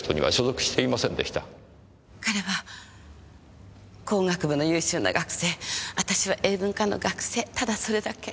彼は工学部の優秀な学生私は英文科の学生ただそれだけ。